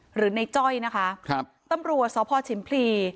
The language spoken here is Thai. หรือในจ้อยนะคะครับตำรวจสพชิมพลี